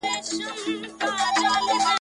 خوله خوله یمه خوږیږي مي د پښو هډونه `